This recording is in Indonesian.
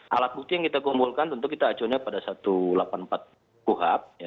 alat bukti yang kita kumpulkan tentu kita acuannya pada satu ratus delapan puluh empat kuhap